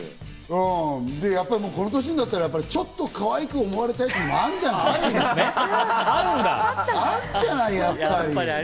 うん、この歳になったら、ちょっとかわいく思われたいっていうのもあるじゃない、あるじゃない、やっぱり。